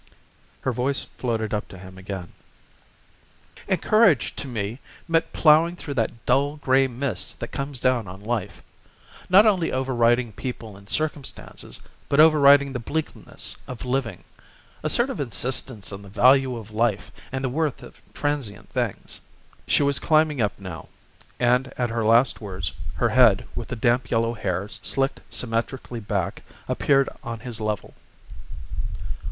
Her voice floated up to him again. "And courage to me meant ploughing through that dull gray mist that comes down on life not only overriding people and circumstances but overriding the bleakness of living. A sort of insistence on the value of life and the worth of transient things." She was climbing up now, and at her last words her head, with the damp yellow hair slicked symmetrically back appeared on his level.